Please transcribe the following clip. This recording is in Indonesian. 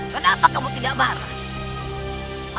kenapa kamu tidak marah